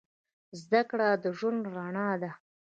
زدهکړه د ژوند رڼا ده